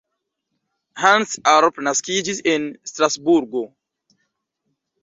Hans Arp naskiĝis en Strasburgo.